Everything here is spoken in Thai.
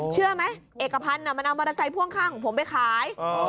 เชื่อไหมเอกพันธุ์น่ะมันเอามือดใส่พ่วงข้างของผมไปขาย